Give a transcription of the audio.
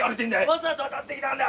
わざと当たってきたんだ！